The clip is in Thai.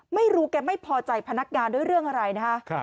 ไม่รู้แกไม่พอใจพนักงานด้วยเรื่องอะไรนะคะ